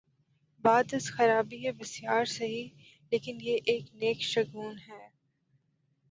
بعد از خرابیء بسیار سہی، لیکن یہ ایک نیک شگون ہے۔